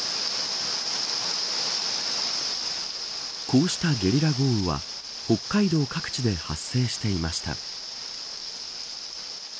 こうしたゲリラ豪雨は北海道各地で発生していました。